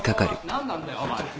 何なんだよお前。